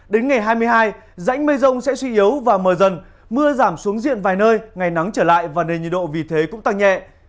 đến ngày hai mươi hai dãnh mây rông sẽ suy yếu và mờ dần mưa giảm xuống diện vài nơi ngày nắng trở lại và nền nhiệt độ vì thế cũng tăng nhẹ